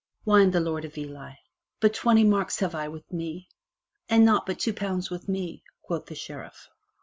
Whined the Lord of Ely, *'But twenty marks have I with me!*' "And naught but two pounds with me,*' quoth the Sheriff.